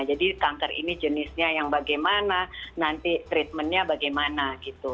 jadi kanker ini jenisnya yang bagaimana nanti treatmentnya bagaimana gitu